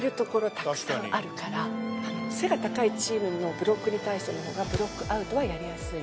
たくさんあるから背が高いチームのブロックに対しての方がブロックアウトはやりやすい。